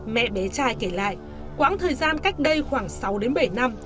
mẹ bé trai kể lại quãng thời gian cách đây khoảng sáu đến bảy năm